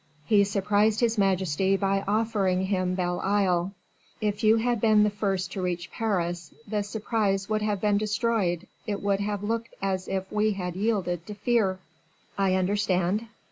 He surprised his majesty by offering him Belle Isle. If you had been the first to reach Paris, the surprise would have been destroyed, it would have looked as if we had yielded to fear." "I understand."